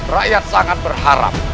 rakyat sangat berharap